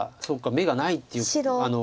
そうか眼がないっていう。